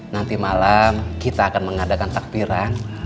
nanti malam kita akan mengadakan takbiran